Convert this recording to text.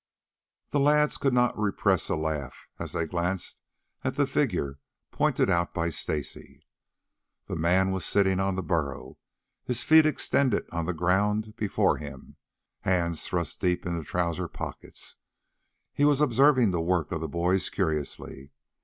The lads could not repress a laugh as they glanced at the figure pointed out by Stacy. The man was sitting on the burro, his feet extended on the ground before him, hands thrust deep into trousers pockets. He was observing the work of the boys curiously.